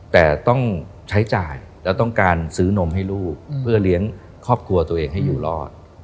แต่ต้องใช้จ่ายแล้วต้องการซื้อนมให้ลูกเพื่อเลี้ยงครอบครัวตัวเองให้อยู่รอด